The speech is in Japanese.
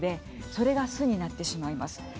それが、すになってしまいます。